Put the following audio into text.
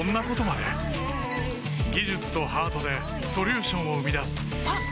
技術とハートでソリューションを生み出すあっ！